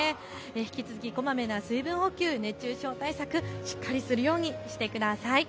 引き続きこまめな水分補給、熱中症対策、しっかりするようにしてください。